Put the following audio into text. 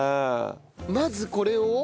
まずこれを？